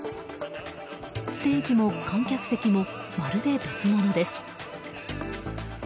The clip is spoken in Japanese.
ステージも観客席もまるで別物です。